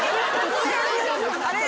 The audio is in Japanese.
あれ？